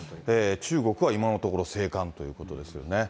中国は今のところ静観ということですよね。